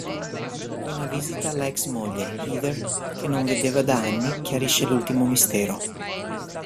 Una visita alla ex moglie, Heather, che non vedeva da anni, chiarisce l'ultimo mistero.